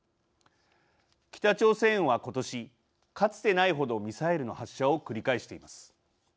北朝鮮はことし、かつてないほどミサイルの発射を繰り返しています。